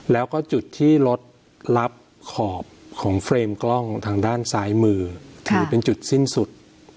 แล้วก็จุดที่รถรับขอบของเฟรมกล้องทางด้านซ้ายมือถือเป็นจุดสิ้นสุด